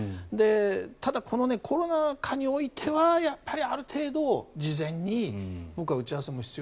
ただ、このコロナ禍においてはやっぱりある程度事前に打ち合わせも必要。